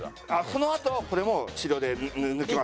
このあとこれも治療で抜きます。